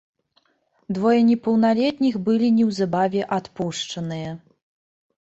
Двое непаўналетніх былі неўзабаве адпушчаныя.